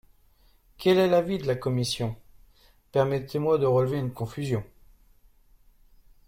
Quel est l’avis de la commission ? Permettez-moi de relever une confusion.